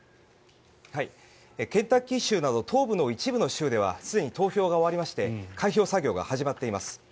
ケンタッキー州など東部の一部の州ではすでに投票が終わりまして開票作業が始まっています。